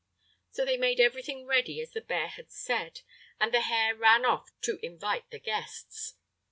So they made everything ready as the bear had said, and the hare ran off to invite the guests.